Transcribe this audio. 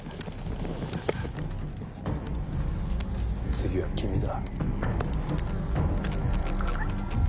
次は君だ。